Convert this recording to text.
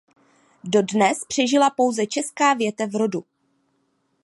Dodnes přežila pouze česká větev rodu.